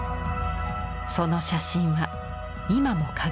その写真は今も輝く。